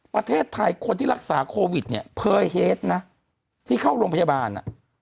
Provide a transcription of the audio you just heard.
ประเทศไทยคนที่รักษาโควิดผลเหตุนะที่เข้ารงพยาบาณ